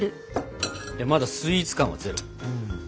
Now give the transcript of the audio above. まだスイーツ感はゼロ。